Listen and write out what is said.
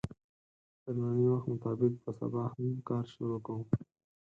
د نني وخت مطابق به سبا هم کار شروع کوو